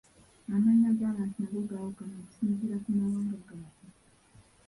Amannya g'abantu nago gaawukana okusinziira ku mawanga gaabwe.